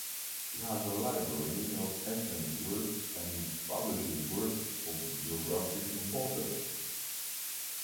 It has a library of ancient works and it publishes works of geographic importance.